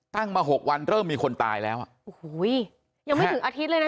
ตั้งมาหกวันเริ่มมีคนตายแล้วอ่ะโอ้โหยังไม่ถึงอาทิตย์เลยนะ